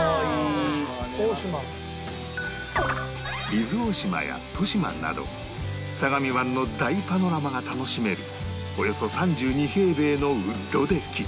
伊豆大島や利島など相模湾の大パノラマが楽しめるおよそ３２平米のウッドデッキ